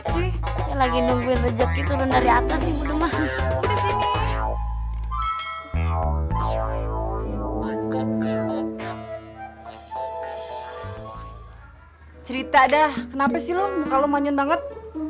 cerita dah kenapa sih lu muka lo manyun banget